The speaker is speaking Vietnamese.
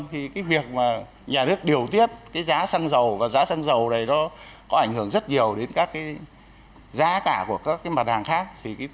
thì cái việc mà nhà nước điều tiết cái giá xăng dầu và giá xăng dầu này nó có ảnh hưởng rất nhiều đến các cái giá cả của các cái mặt hàng khác